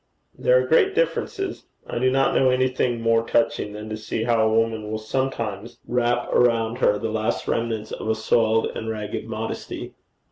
'There are great differences. I do not know anything more touching than to see how a woman will sometimes wrap around her the last remnants of a soiled and ragged modesty.